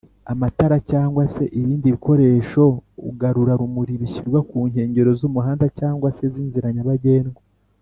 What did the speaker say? amatara cg se ibindi bikoresho ugarurarumuri bishyirwa Kunkengero z’umuhanda cg se z’inzira nyabagendwa